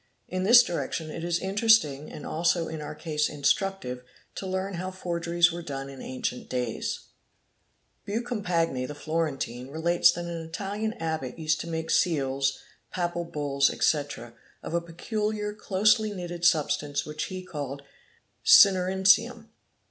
In this direction it is interesting, and also in our case instructive, to learn how forgeries were done in ancient days "!~"®) Buoncompagnt, the Florentine,' relates that an Italian Abbot used to make seals, papal bulls, etc. of a peculiar, closely knitted substance which he called cinericium.